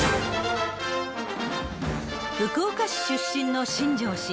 福岡市出身の新庄氏。